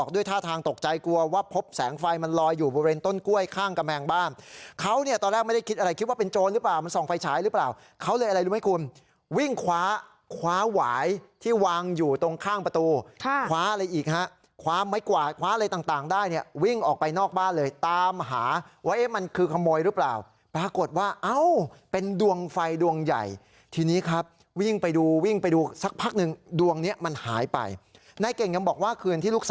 ด้วยท่าทางตกใจกลัวว่าพบแสงไฟมันลอยอยู่บริเวณต้นกล้วยข้างกระแมงบ้านเขาเนี่ยตอนแรกไม่ได้คิดอะไรคิดว่าเป็นโจรหรือเปล่ามันส่องไฟฉายหรือเปล่าเขาเลยอะไรรู้ไหมคุณวิ่งคว้าคว้าหวายที่วางอยู่ตรงข้างประตูคว้าอะไรอีกค่ะคว้าไม้กว่าคว้าอะไรต่างได้เนี่ยวิ่งออกไปนอกบ้านเลยตามหาไว้มันคือข